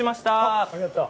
おっありがとう。